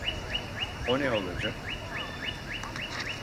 O ne olacak?